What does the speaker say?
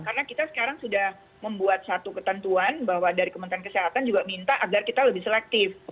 karena kita sekarang sudah membuat satu ketentuan bahwa dari kementerian kesehatan juga minta agar kita lebih selektif